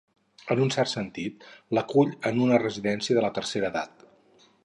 En un cert sentit, l'acull en una residència de la tercera edat.